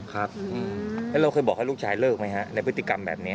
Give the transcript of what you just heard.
แล้วเคยบอกให้ลูกชายเลิกไหมครับในพฤติกรรมแบบนี้